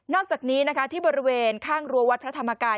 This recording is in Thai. จากนี้นะคะที่บริเวณข้างรั้ววัดพระธรรมกาย